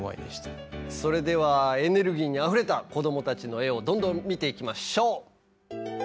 それではエネルギーにあふれた子どもたちの絵をどんどん見ていきましょう！